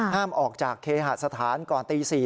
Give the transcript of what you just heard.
ห้ามออกจากเคหสถานก่อนตี๔